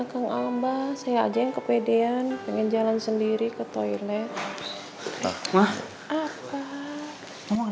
sampai jumpa di video selanjutnya